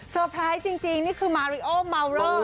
ไพรส์จริงนี่คือมาริโอมาวเลอร์